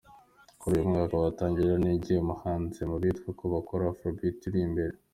Kuva uyu mwaka watangira, ni njye muhanzi mu bitwa ko bakora Afrobeat uri imbere.